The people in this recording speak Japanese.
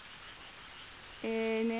ええねえ